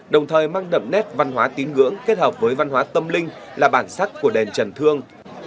đồng thời mang đậm nét văn hóa tín ngưỡng kết hợp với văn hóa tâm linh là bản sắc của đền trần thương